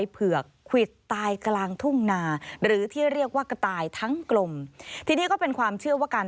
ประมาณ๗เดือน